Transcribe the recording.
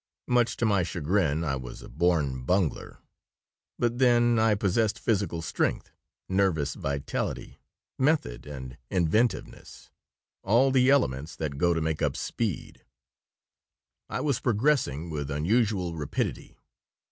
Much to my chagrin, I was a born bungler. But then I possessed physical strength, nervous vitality, method, and inventiveness all the elements that go to make up speed I was progressing with unusual rapidity.